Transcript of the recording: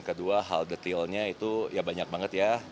kedua hal detailnya itu ya banyak banget ya